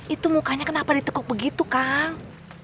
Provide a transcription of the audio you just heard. itu mukanya kenapa ditekuk begitu kang